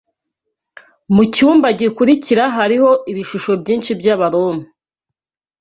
Mucyumba gikurikira hariho ibishusho byinshi by'Abaroma.